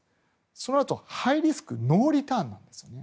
そのあとハイリスクノーリターンなんです。